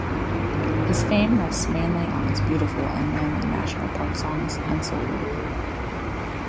His fame rests mainly on his beautiful and manly national partsongs and solos.